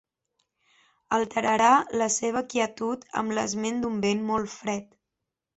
Alterarà la seva quietud amb l'esment d'un vent molt fred.